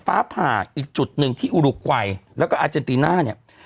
ฟ้าผ่าอีกจุดหนึ่งที่อุรุกวัยแล้วก็อาเจนติน่าเนี่ย